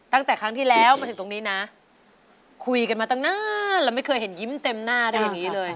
ตั้งแต่ครั้งที่แล้วมาถึงตรงนี้นะคุยกันมาตั้งนานแล้วไม่เคยเห็นยิ้มเต็มหน้าได้อย่างนี้เลย